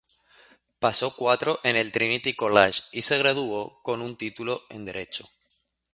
Pasó cuatro en el Trinity College y se graduó con un título en Derecho.